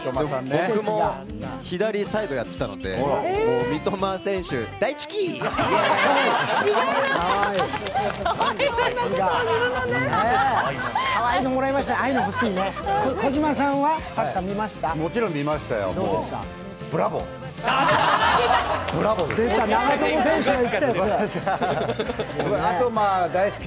僕も左サイドやっていたので三笘選手、だいちゅき！